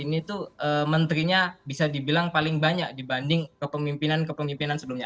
ini tuh menterinya bisa dibilang paling banyak dibanding kepemimpinan kepemimpinan sebelumnya